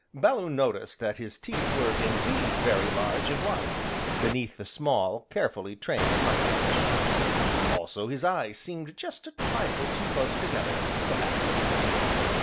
Bellew noticed that his teeth were, indeed, very large and white, beneath the small, carefully trained moustache; also his eyes seemed just a trifle too close together, perhaps.